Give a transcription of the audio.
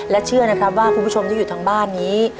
เชื่อนะครับว่าคุณผู้ชมที่อยู่ทางบ้านนี้